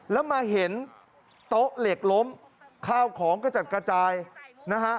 แล้วมาเห็นโต๊ะเหล็กล้มข้าวของกระจัดกระจายนะฮะ